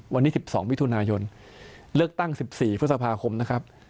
วันนี้๑๒วิทุนายนเลิกตั้ง๑๔ฝศพาคมนะครับ